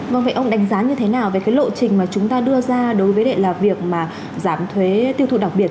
vâng vậy ông đánh giá như thế nào về cái lộ trình mà chúng ta đưa ra đối với lại là việc mà giảm thuế tiêu thụ đặc biệt